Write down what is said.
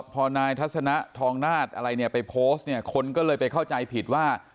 พอนายทัศนะทองนาฏไปโพสต์คนก็เลยไปเข้าใจผิดว่า